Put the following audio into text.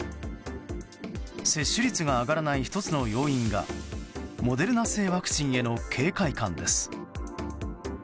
接種率が上がらない１つの要因がモデルナ製ワクチンへの警戒感です。